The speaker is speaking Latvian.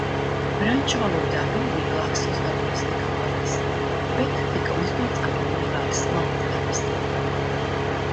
Franču valodā bija vieglāks uzdevums nekā parasti, bet tika uzdots apjomīgāks mājasdarbs.